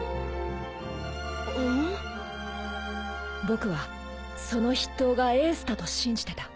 僕はその筆頭がエースだと信じてた。